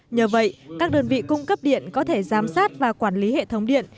nhờ vậy các đơn vị cung cấp điện có thể giám sát và quản lý hệ thống điện